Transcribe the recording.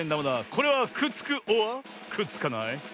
これはくっつくｏｒくっつかない？